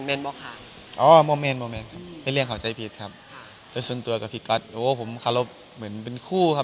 อีกหนึ่งมันมีค่ะพี่ก๊อตแล้วก็มีคอมเมนท์น่ะ